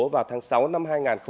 vào tháng sáu năm hai nghìn hai mươi ba